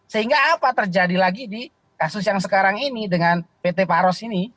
sehingga apa terjadi lagi di kasus yang sekarang ini dengan pt paros ini